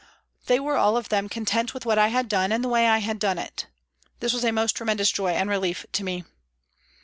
They were all of them content with what I had done and the way I had done it. This was a most tremendous joy and relief to me.